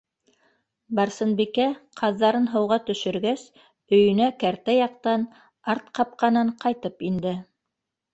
Барсынбикә, ҡаҙҙарын һыуға төшөргәс, өйөнә кәртә яҡтан, арт ҡапҡанан ҡайтып инде.